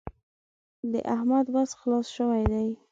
د احمد وس خلاص شوی دی.